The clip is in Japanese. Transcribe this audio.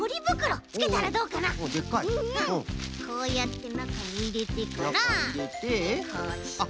こうやってなかにいれてからこうして。